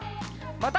また。